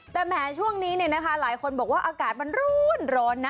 แต่แหมช่วงนี้เนี่ยนะคะหลายคนบอกว่าอากาศมันร้อนนะ